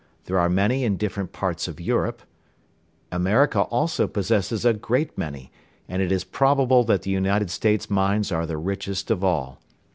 There are many in different parts of Europe. America also possesses a great many, and it is probable that the United States mines are the richest of all.